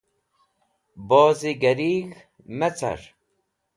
Bozigarig̃h me car.